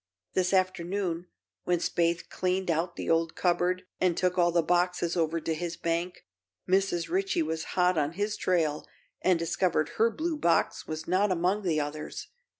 This afternoon, when Spaythe cleaned out the old cupboard and took all the boxes over to his bank, Mrs. Ritchie was hot on his trail and discovered her blue box was not among the others.